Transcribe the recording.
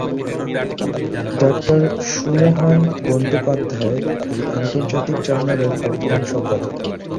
ডাক্তারসুমহান বন্দ্যোপাধ্যায় এই আন্তর্জাতিক জার্নালের বর্তমান সম্পাদক।